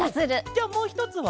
じゃあもうひとつは？